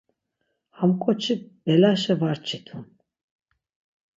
Ham ǩoçi belaşe var çitun.